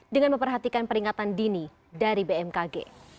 dengan memperhatikan peringatan dini dari bmkg